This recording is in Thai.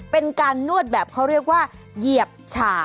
เป็นการนวดแบบเขาเรียกว่าเหยียบฉ่า